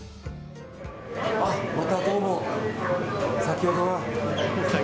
またどうも、先ほどは。